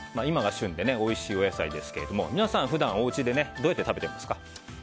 今が旬でおいしいお野菜ですけども皆さん普段、お家でどうやって食べていますか。